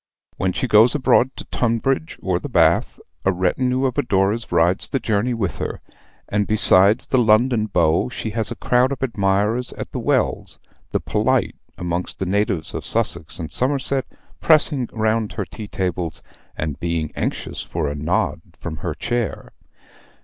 When she goes abroad to Tunbridge or the Bath, a retinue of adorers rides the journey with her; and besides the London beaux, she has a crowd of admirers at the Wells, the polite amongst the natives of Sussex and Somerset pressing round her tea tables, and being anxious for a nod from her chair.